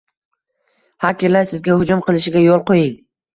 Hakerlar sizga hujum qilishiga yo'l qo'ying